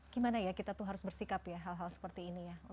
gimana ya kita tuh harus bersikap ya hal hal seperti ini ya